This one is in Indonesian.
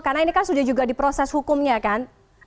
karena ini kan sudah juga di proses hukumnya kan